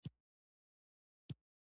د احمد زړه يې د ډالۍ په ورکولو پورته کړ.